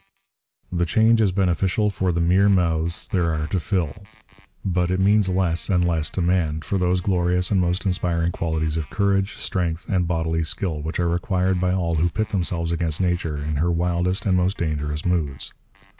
The change is beneficial for the mere mouths there are to fill. But it means less and less demand for those glorious and most inspiring qualities of courage, strength, and bodily skill which are required by all who pit themselves against Nature in her wildest and most dangerous moods.